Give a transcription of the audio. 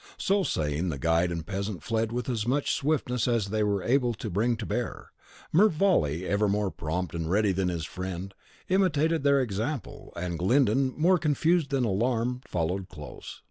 So saying, the guide and the peasant fled with as much swiftness as they were able to bring to bear. Mervale, ever more prompt and ready than his friend, imitated their example; and Glyndon, more confused than alarmed, followed close.